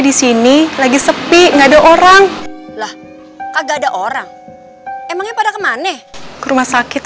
di sini lagi sepi enggak ada orang lah kagak ada orang emangnya pada kemana ke rumah sakit